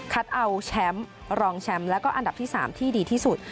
เอาแชมป์รองแชมป์แล้วก็อันดับที่๓ที่ดีที่สุด